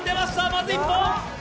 まずは１本。